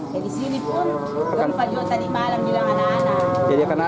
jadi disini pun gempa juga tadi malam bilang anak anak